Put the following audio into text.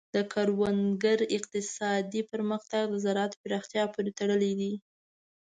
د کروندګر اقتصادي پرمختګ د زراعت پراختیا پورې تړلی دی.